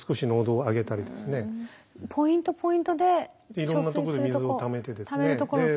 いろんなとこで水をためてですね。